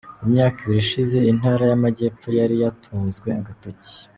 Mu myaka ibiri ishize Intara y’Amajyepfo yari yatunzwe agatoki.